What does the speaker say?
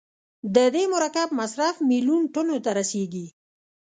د دې مرکب مصرف میلیون ټنو ته رسیږي.